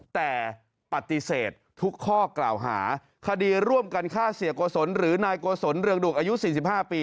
แต่ปฏิเสธทุกข้อกล่าวหาคดีร่วมกันฆ่าเสียโกศลหรือนายโกศลเรืองดุกอายุ๔๕ปี